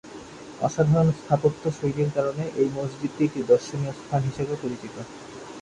অসাধারণ স্থাপত্যশৈলীর কারণে এই মসজিদটি একটি দর্শনীয় স্থান হিসেবে পরিচিত।